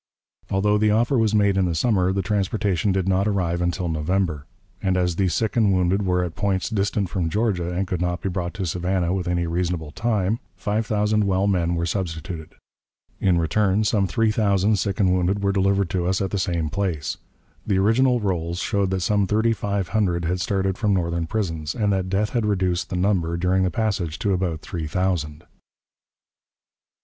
Although the offer was made in the summer, the transportation did not arrive until November. And as the sick and wounded were at points distant from Georgia, and could not be brought to Savannah within a reasonable time, five thousand well men were substituted. In return, some three thousand sick and wounded were delivered to us at the same place. The original rolls showed that some thirty five hundred had started from Northern prisons, and that death had reduced the number during the passage to about three thousand.